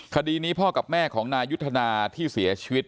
คดีนี้พ่อกับแม่ของนายยุทธนาที่เสียชีวิต